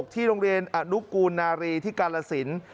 ที่โรงเรียนอนุกูลนารีที่กาลสิน